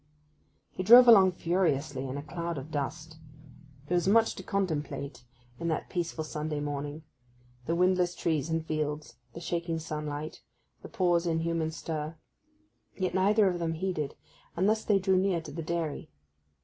He drove along furiously, in a cloud of dust. There was much to contemplate in that peaceful Sunday morning—the windless trees and fields, the shaking sunlight, the pause in human stir. Yet neither of them heeded, and thus they drew near to the dairy.